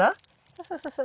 そうそうそうそう。